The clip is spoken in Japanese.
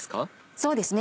そうですね